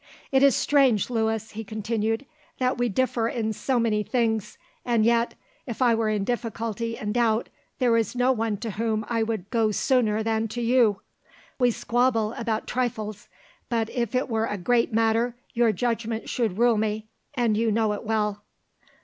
"It is strange, Louis," he continued, "that we differ in so many things, and yet, if I were in difficulty and doubt, there is no one to whom I would go sooner than to you. We squabble about trifles, but if it were a great matter, your judgment should rule me, and you know it well."